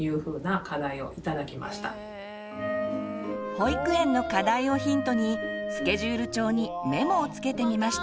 保育園の課題をヒントにスケジュール帳にメモをつけてみました。